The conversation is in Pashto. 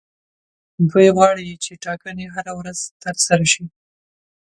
دوی غواړي چې ټاکنې هره ورځ ترسره شي.